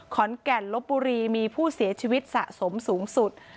ขอนแก่นลบบุรีมีผู้เสียชีวิตสะสมสูงสุด